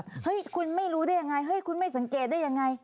เฮ้ยคุณไม่รู้ได้ยังไงเฮ้ยคุณไม่สังเกตได้ยังไง